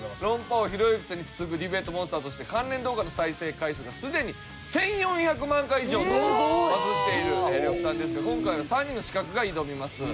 王ひろゆきさんに続くディベートモンスターとして関連動画の再生回数がすでに１４００万回以上とバズっている呂布さんですが今回は３人の刺客が挑みます。